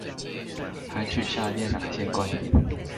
採取下列那些觀點？